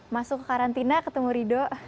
masuk ke karantina ketemu ridho